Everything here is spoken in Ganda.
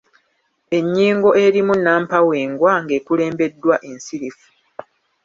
Ennyingo erimu nnampawengwa ng’ekulembeddwa ensirifu.